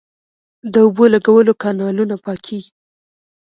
د اوبو لګولو کانالونه پاکیږي